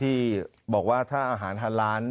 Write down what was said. ที่บอกว่าถ้าอาหารฮาล้าน